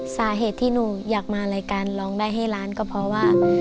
สาเหตุที่หนูอยากมารายการร้องได้ให้ล้านก็เพราะว่า